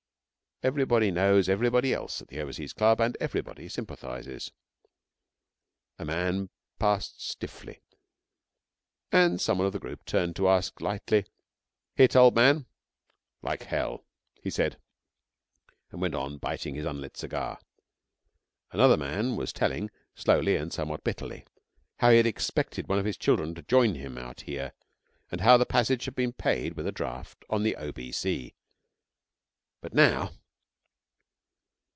Everybody knows everybody else at the Overseas Club, and everybody sympathises. A man passed stiffly and some one of a group turned to ask lightly, 'Hit, old man?' 'Like hell,' he said, and went on biting his unlit cigar. Another man was telling, slowly and somewhat bitterly, how he had expected one of his children to join him out here, and how the passage had been paid with a draft on the O.B.C. But now